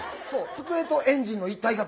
机とエンジンの一体型。